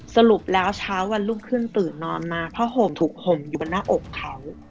สรุปแล้วเช้าวันรุ่งขึ้นตื่นนอนมาผ้าห่มถูกห่มอยู่บนหน้าอกเขา